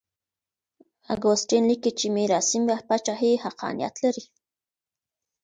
اګوستين ليکي چي ميراثي پاچاهي حقانيت لري.